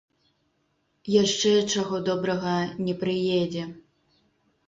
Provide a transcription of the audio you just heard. Яшчэ, чаго добрага, не прыедзе.